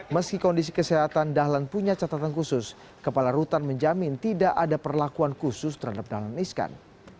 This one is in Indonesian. meski kondisi kesehatan dahlan punya catatan khusus kepala rutan menjamin tidak ada perlakuan khusus terhadap dahlan iskan